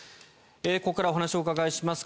ここからお話をお伺いします。